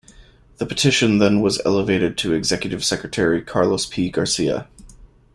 The petition then was elevated to Executive Secretary Carlos P. Garcia.